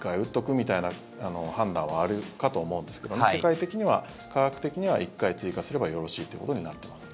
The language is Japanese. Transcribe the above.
みたいな判断はあるかと思うんですけど世界的には、科学的には１回追加すればよろしいっていうことになっています。